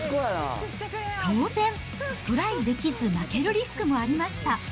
当然、トライできず負けるリスクもありました。